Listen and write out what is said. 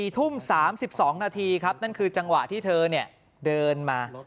๔ทุ่ม๓๒นาทีครับนั่นคือจังหวะที่เธอเดินมา